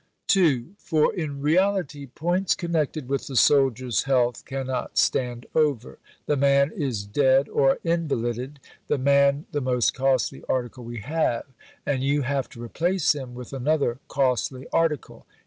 (2) For in reality points connected with the soldier's health cannot stand over. The man is dead or invalided the man, the most costly article we have; and you have to replace him with another costly article.